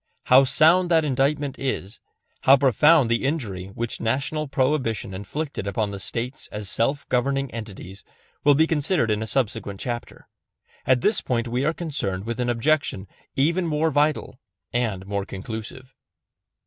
How sound that indictment is, how profound the injury which National Prohibition inflicted upon the States as self governing entities, will be considered in a subsequent chapter. At this point we are concerned with an objection even more vital and more conclusive.